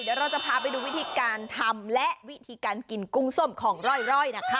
เดี๋ยวเราจะพาไปดูวิธีการทำและวิธีการกินกุ้งส้มของร่อยนะคะ